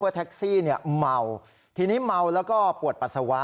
เพราะแท็กซี่เมาทีนี้เมาแล้วก็ปวดปัสสาวะ